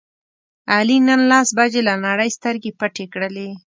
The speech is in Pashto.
علي نن لس بجې له نړۍ سترګې پټې کړلې.